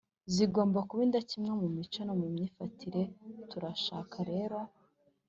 zigomba kuba indakemwa mu mico no mu myifatire. turashaka rero